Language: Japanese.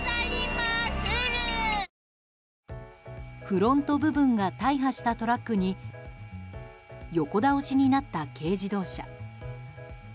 フロント部分が大破したトラックに横倒しになった軽自動車。